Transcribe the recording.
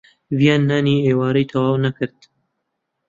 ڤیان نانی ئێوارەی تەواو نەکرد.